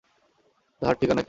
তাহার ঠিকানা কী।